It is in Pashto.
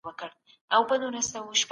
د پلرونو په وخت کي سانسور تر نن زيات وو.